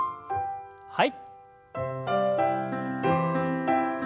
はい。